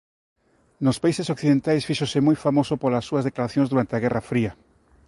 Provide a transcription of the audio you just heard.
Nos países occidentais fíxose moi famoso polas súas declaracións durante a Guerra fría.